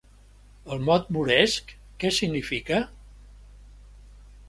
El mot moresc què significa?